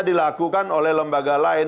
dilakukan oleh lembaga lain